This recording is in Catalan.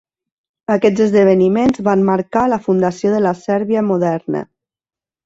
Aquests esdeveniments van marcar la fundació de la Sèrbia moderna.